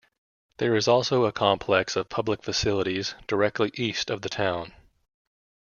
There is also a complex of public facilities directly east of the town.